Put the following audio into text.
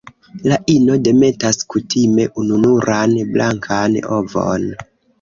La ino demetas kutime ununuran blankan ovon.